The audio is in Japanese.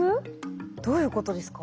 どういうことですか？